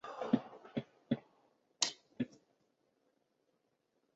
其上路活动。